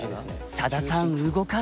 佐田さん動かず。